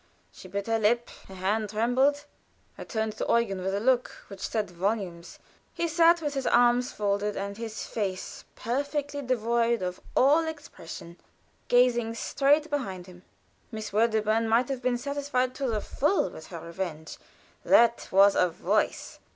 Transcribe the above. She bit her lip; her hand trembled. I turned to Eugen with a look which said volumes. He sat with his arms folded, and his face perfectly devoid of all expression, gazing straight before him. Miss Wedderburn might have been satisfied to the full with her revenge. That was a voice!